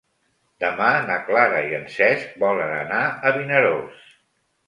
Demà na Clara i en Cesc volen anar a Vinaròs.